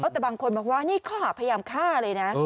แต่บางคนบอกว่านี่ข้อหาพยายามฆ่าเลยนะ